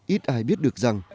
ít ai biết được rằng